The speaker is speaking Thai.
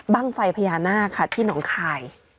บ้างไฟพญานาคที่น้องค่าย